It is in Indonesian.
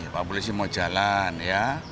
pak polisi mau jalan ya